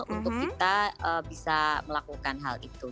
untuk kita bisa melakukan hal itu